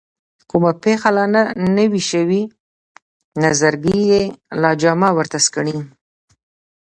کومه پېښه لا نه وي شوې نظرګي یې جامه ورته سکڼي.